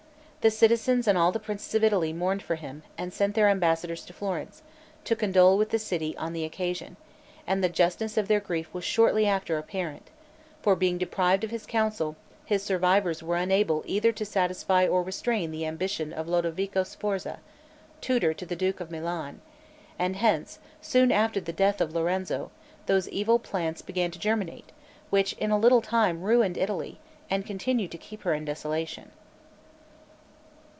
The citizens and all the princes of Italy mourned for him, and sent their ambassadors to Florence, to condole with the city on the occasion; and the justness of their grief was shortly after apparent; for being deprived of his counsel, his survivors were unable either to satisfy or restrain the ambition of Lodovico Sforza, tutor to the duke of Milan; and hence, soon after the death of Lorenzo, those evil plants began to germinate, which in a little time ruined Italy, and continue to keep her in desolation.